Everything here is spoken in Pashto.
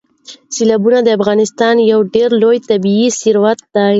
سیلابونه د افغانستان یو ډېر لوی طبعي ثروت دی.